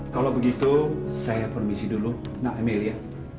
kalau begitu saya permisi dulu nak amelia